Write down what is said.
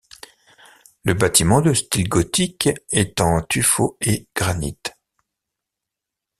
Le bâtiment, de style gothique, est en tuffeau et granit.